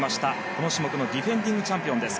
この種目のディフェンディングチャンピオンです。